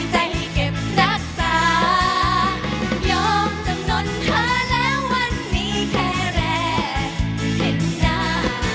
ใจเก็บรักษายอมจำนวนเธอแล้วมันมีแค่แรกเห็นจ้า